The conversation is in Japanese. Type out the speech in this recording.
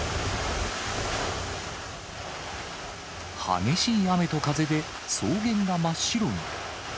激しい雨と風で、草原が真っ白に。